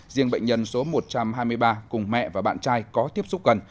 riêng bệnh nhân số một trăm hai mươi ba cùng mẹ và bạn trai có tiếp xúc gần